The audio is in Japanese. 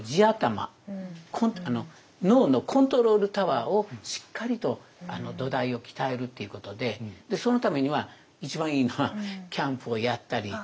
脳のコントロールタワーをしっかりと土台を鍛えるということでそのためには一番いいのはキャンプをやったり自然体験。